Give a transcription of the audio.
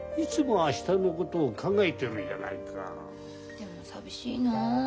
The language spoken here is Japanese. でも寂しいな。